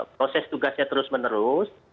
proses tugasnya terus menerus